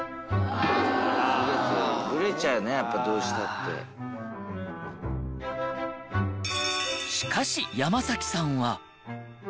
「ぶれちゃうよねやっぱどうしたって」しかし山さんは。